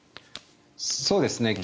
そうですね。